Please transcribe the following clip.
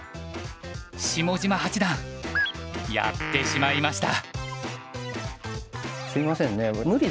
下島八段やってしまいました。